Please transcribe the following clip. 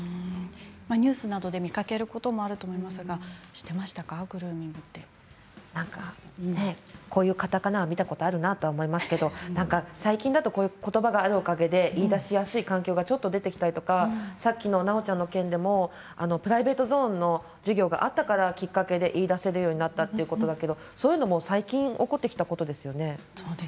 ニュースなどで見かけることもあると思いますがこういうカタカナは見たこともあるなと思いますけれど最近だとこういうことばがあるおかげで、言いだしやすい環境が外でできたりとかさっきのなおちゃんの件もプライベートゾーンの授業があったからきっかけで言いだせるようになったということだけれどそういうことも最近起こってきたことですよね。